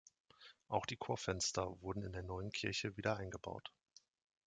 Auch die Chorfenster wurden in der neuen Kirche wieder eingebaut.